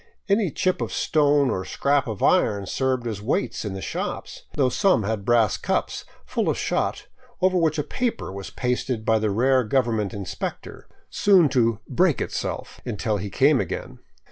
Any chip of stone or scrap of iron served as weights in the shops, though some had brass cups full of shot, over which a paper was pasted by the rare government inspector, soon to 525 VAGABONDING DOWN THE ANDES break itself " until he came again.